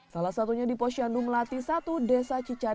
salah satunya di posyandu melati i desa cicateng